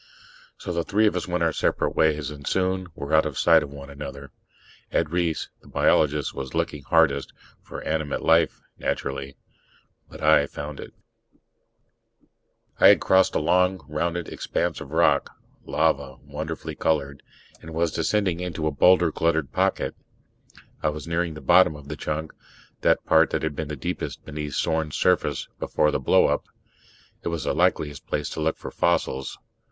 So the three of us went our separate ways, and soon were out of sight of one another. Ed Reiss, the biologist, was looking hardest for animate life, naturally. But I found it. I had crossed a long, rounded expanse of rock lava, wonderfully colored and was descending into a boulder cluttered pocket. I was nearing the "bottom" of the chunk, the part that had been the deepest beneath Sorn's surface before the blow up. It was the likeliest place to look for fossils.